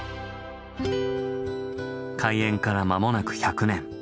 開園から間もなく１００年。